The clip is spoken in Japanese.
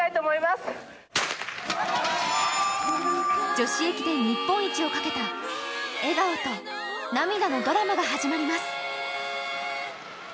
女子駅伝日本一をかけた笑顔と涙のドラマが始まります。